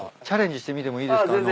チャレンジしてみてもいいですか？